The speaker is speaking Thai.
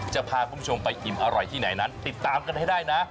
จะพาคุณผู้ชมไปอิ่มอร่อยที่ไหนนั้นติดตามกันให้ได้นะ